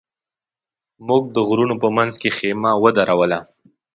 موږ د غرونو په منځ کې خېمه ودروله.